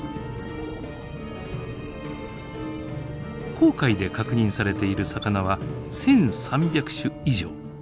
紅海で確認されている魚は１，３００種以上。